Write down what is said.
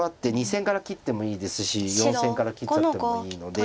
２線から切ってもいいですし４線から切っちゃってもいいので。